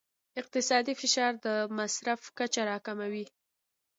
اقتصادي فشار د مصرف کچه راکموي.